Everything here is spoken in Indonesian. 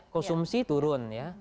konsumsi turun ya